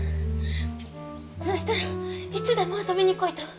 そしたら「いつでも遊びに来い」と。